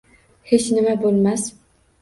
Hech nima boʻlmas…